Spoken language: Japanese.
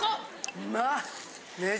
うまっ！